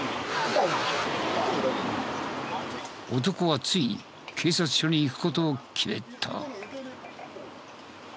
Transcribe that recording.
男はついに警察署に行く事を決めた。